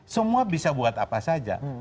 semua bisa buat apa saja